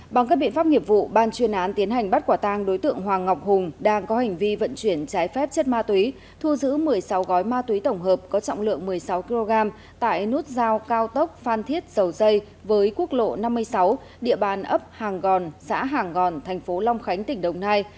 bằng các biện pháp nghiệp vụ ban chuyên án tiến hành bắt quả tang đối tượng hoàng ngọc hùng đang có hành vi vận chuyển trái phép chất ma túy thu giữ một mươi sáu gói ma túy tổng hợp có trọng lượng một mươi sáu kg tại nút giao cao tốc phan thiết dầu dây với quốc lộ năm mươi sáu địa bàn ấp hàng gòn xã hàng gòn thành phố long khánh tỉnh đồng nai